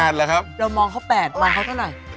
เดี๋ยวมองเค้า๘มาเค้าเท่าไหร่